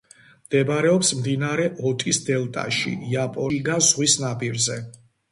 მდებარეობს მდინარე ოტის დელტაში, იაპონიის შიგა ზღვის ნაპირზე.